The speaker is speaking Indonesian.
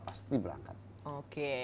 pasti berangkat oke